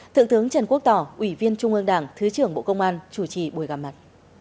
thượng tướng trần quốc tỏ ủy viên trung ương đảng thứ trưởng bộ công an chủ trì buổi gặp mặt